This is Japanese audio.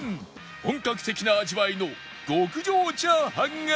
本格的な味わいの極上炒飯があるが